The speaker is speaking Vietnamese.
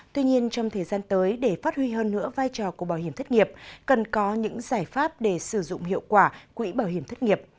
tuy nhiên trong thời gian tới để phát huy hơn nữa vai trò của bảo hiểm thất nghiệp cần có những giải pháp để sử dụng hiệu quả quỹ bảo hiểm thất nghiệp